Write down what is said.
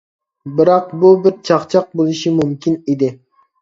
بىراق بۇ بىر چاقچاق بولۇشىمۇ مۇمكىن ئىدى.